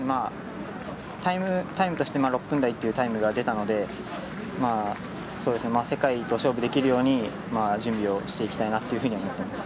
タイムとして６分台というタイムが出たので世界と勝負できるように準備をしていきたいなっていうふうに思います。